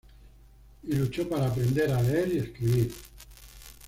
Y luchó para aprender a leer y escribir.